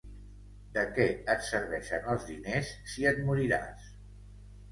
De què et serveixen els diners si et moriràs?